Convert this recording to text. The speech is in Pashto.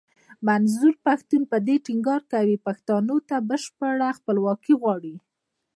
منظور پښتين په دې ټينګار کوي پښتنو ته بشپړه خپلواکي غواړي.